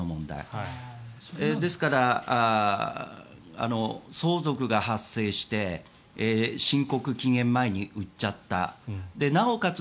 ですから、相続が発生して申告期限前に売っちゃったなおかつ